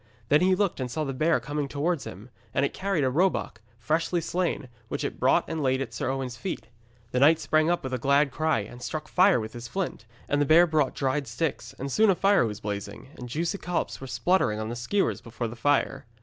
Then he looked, and saw the bear coming towards him, and it carried a roebuck, freshly slain, which it brought and laid at Sir Owen's feet. The knight sprang up with a glad cry, and struck fire with his flint, and the bear brought dried sticks, and soon a fire was blazing, and juicy collops were spluttering on skewers before the fire.